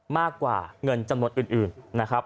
มากกว่าเงินจำนวนอื่นนะครับ